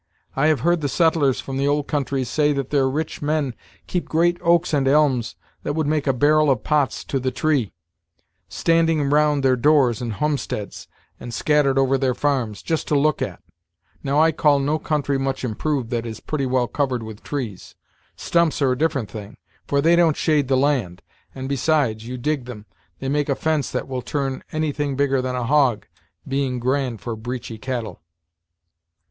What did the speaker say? I have heard the settlers from the old countries say that their rich men keep great oaks and elms, that would make a barrel of pots to the tree, standing round their doors and humsteds and scattered over their farms, just to look at. Now, I call no country much improved that is pretty well covered with trees. Stumps are a different thing, for they don't shade the land; and, besides, you dig them they make a fence that will turn anything bigger than a hog, being grand for breachy cattle."